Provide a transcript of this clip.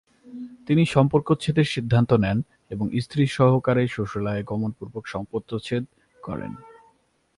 তিনি সম্পর্কচ্ছেদের সিদ্ধান্ত নেন এবং স্ত্রী সহকারে শ্বশুরালয়ে গমনপূর্বক সম্পর্কচ্ছেদ করেন।